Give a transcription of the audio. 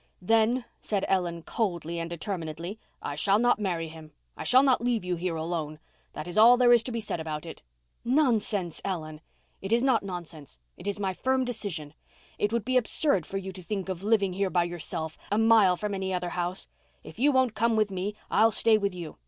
"Then," said Ellen coldly, and determinedly, "I shall not marry him. I shall not leave you here alone. That is all there is to be said about it." "Nonsense, Ellen." "It is not nonsense. It is my firm decision. It would be absurd for you to think of living here by yourself—a mile from any other house. If you won't come with me I'll stay with you.